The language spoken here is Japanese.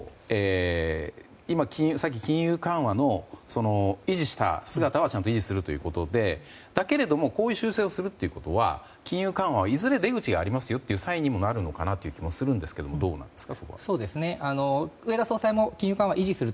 さっき金融緩和の維持した姿はちゃんと維持するということでだけれども、こういう修正をするということはいずれ出口がありますというサインにもなるのかなという気がするんですがどうなんですか？